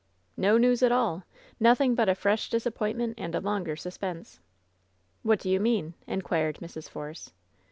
"No news at all I Nothing but a fresh disappointment and a longer suspense. '^ "What do you mean?" inquired Mrs. Force.